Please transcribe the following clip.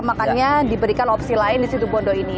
makanya diberikan opsi lain di situ bondo ini